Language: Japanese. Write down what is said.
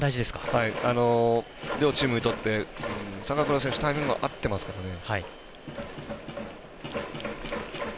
両チームにとって、坂倉選手タイミング合ってますからね。